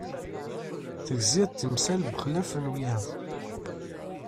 Tegziḍ timsal bexlaf wiyaḍ.